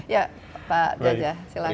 ya pak jajah silahkan